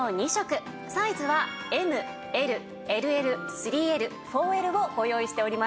サイズはＭＬＬＬ３Ｌ４Ｌをご用意しております。